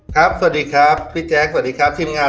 สวัสดีครับพี่แจ๊คสวัสดีครับทีมงาน